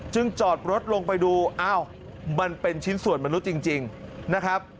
จอดรถลงไปดูอ้าวมันเป็นชิ้นส่วนมนุษย์จริงนะครับ